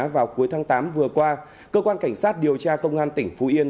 vào cuối tháng tám vừa qua cơ quan cảnh sát điều tra công an tỉnh phú yên